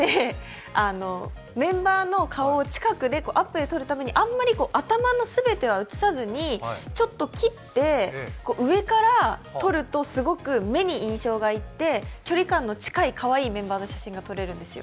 メンバーの顔を近くでアップで撮るために頭の全ては写さずにちょっと切って上から撮るとすごく目に印象がいって、距離感の近いかわいいメンバーの写真が撮れるんですよ。